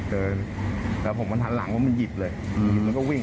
เดินแล้วผมมันทันหลังแล้วมันหยิบเลยมันก็วิ่ง